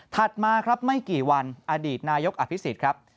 ถัดมาไม่กี่วันอดีตนายกอภิษฐ์ครับ